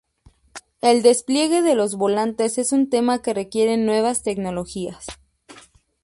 El despliegue de los volantes es un tema que requiere nuevas tecnologías.